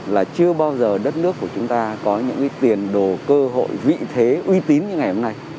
là chưa bao giờ đất nước của chúng ta có những tiền đồ cơ hội vị thế uy tín như ngày hôm nay